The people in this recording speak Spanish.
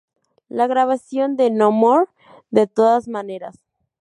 La grabación de "No More", de todas maneras.